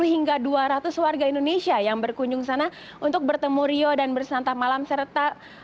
satu ratus lima puluh hingga dua ratus warga indonesia yang berkunjung sana untuk bertemu rio dan bersantah malam serta